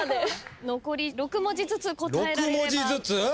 残り６文字ずつ答えられます。